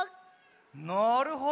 なるほど。